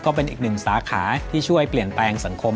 ก็เป็นอีกหนึ่งสาขาที่ช่วยเปลี่ยนแปลงสังคม